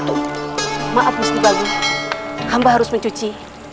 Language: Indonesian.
itu maaf musti pabu hamba harus mencuci